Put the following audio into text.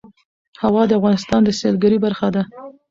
هوا د افغانستان د سیلګرۍ برخه ده.